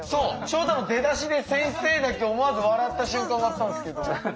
照太の出だしで先生だけ思わず笑った瞬間があったんですけど。